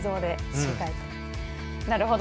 なるほど。